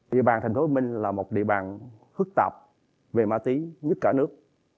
địa bàn tp hcm là một địa bàn phức tạp về ma túy nhất cả nước